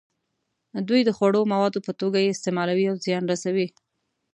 دوی د خوړو موادو په توګه یې استعمالوي او زیان رسوي.